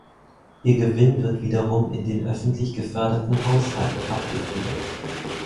Ihr Gewinn wird wiederum in den öffentlich geförderten Haushalt abgeführt.